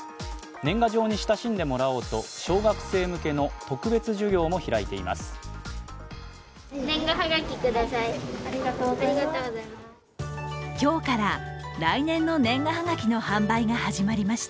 年賀状に親しんでもらおうと、小学生向けの特別授業も開いています。